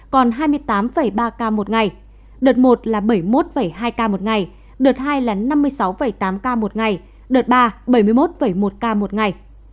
còn hai mươi tám ba ca một ngày đợt một là bảy mươi một hai ca một ngày đợt hai là năm mươi sáu tám ca một ngày đợt ba bảy mươi một một ca một ngày